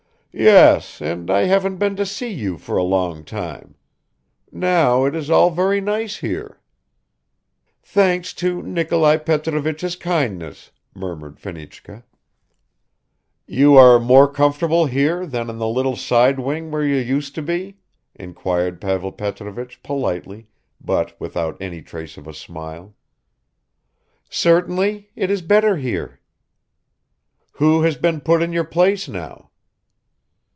"Yes, and I haven't been to see you for a long time. Now it is all very nice here." "Thanks to Nikolai Petrovich's kindness," murmured Fenichka. "You are more comfortable here than in the little side wing where you used to be?" inquired Pavel Petrovich politely but without any trace of a smile. "Certainly, it is better here." "Who has been put in your place now?"